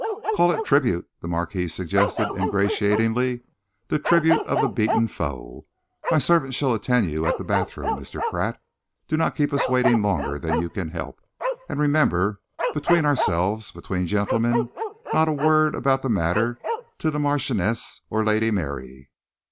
"Call it tribute," the Marquis suggested ingratiatingly, "the tribute of the beaten foe. My servant shall attend you at the bathroom, Mr. Pratt. Do not keep us waiting longer than you can help. And remember, between ourselves between gentlemen not a word about the matter to the Marchioness or Lady Mary."